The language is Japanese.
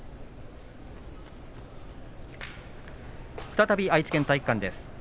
再び愛知県体育館です。